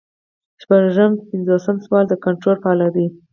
شپږ پنځوسم سوال د کنټرول په اړه دی.